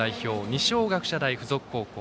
二松学舎大付属高校。